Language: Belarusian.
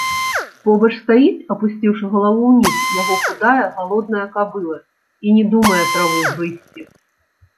Побач стаіць, апусціўшы галаву ўніз, яго худая галодная кабыла і не думае траву грызці.